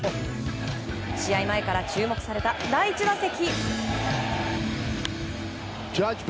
試合前から注目された第１打席。